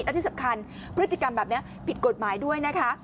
และที่สำคัญพฤติกรรมแบบนี้ผิดกฎหมายด้วยนะคะ